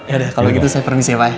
yaudah kalo gitu saya permisi pak